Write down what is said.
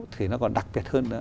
thì nó còn đặc biệt hơn nữa